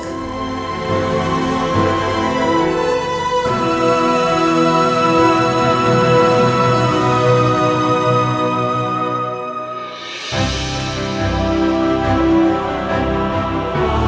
aku sangat rindu dengan ibu bunda